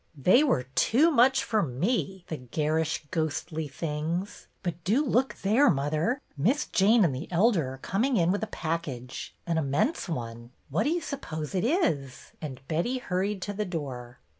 " They were too much for me, the garish, ghostly things ! But do look there, mother. Miss Jane and the Elder are coming in with a package, an immense one. What do you suppose it is }" and Betty hurried to the door.